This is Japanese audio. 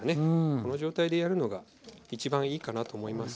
この状態でやるのがいちばんいいかなと思います。